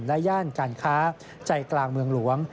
และย่านการค้าใจกลางเมืองหลวง